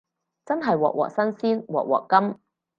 真係鑊鑊新鮮鑊鑊甘